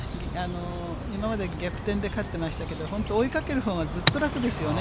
今まで逆転で勝ってましたけど、本当、追いかけるほうがずっと楽ですよね。